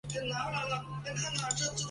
哥路拿是一位西班牙足球运动员。